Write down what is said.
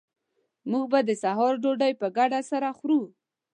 موږ به د سهار ډوډۍ په ګډه سره خورو